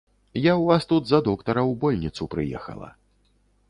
Я ў вас тут за доктара ў больніцу прыехала.